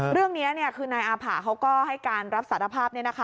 เรื่องนี้คือนายอาผ่าเขาก็ให้การรับสารภาพ